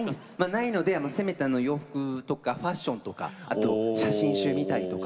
ないのでせめて洋服とかファッションとか。あと写真集見たりとか。